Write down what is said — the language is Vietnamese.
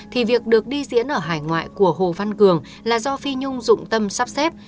thì việc được đi diễn ở hải ngoại của hồ văn cường là do phi nhung dụng tâm sắp xếp